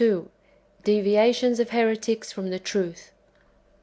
— Deviations of heretics from tJie truth.